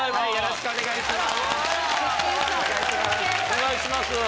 よろしくお願いします。